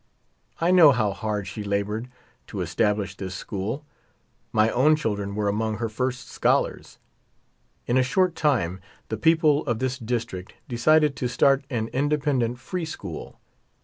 I know how hard 12 she labored to establish this school. My own children were among her first scholars. In a short time the people of this District decided to start an independent free school.